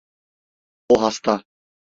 O hasta!